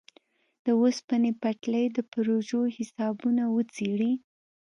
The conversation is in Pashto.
د اوسپنې پټلۍ د پروژو حسابونه وڅېړي.